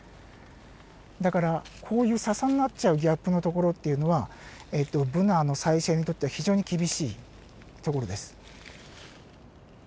だからこういうササになっちゃうギャップの所っていうのはブナの再生にとっては非常に厳しい所です。